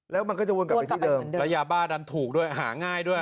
แล้วมันก็จะวนกลับไปที่เดิมแล้วยาบ้าดันถูกด้วยหาง่ายด้วย